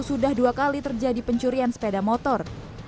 sudah dua kali terjadi pencurian sepeda motor